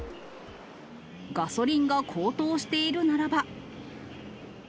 ガソリンが高騰しているならば。